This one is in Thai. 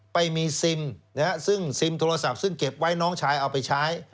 ไปมีซิมซึ่งซิมโทรศัพท์ซึ่งเก็บไว้น้องชายเอาไปใช้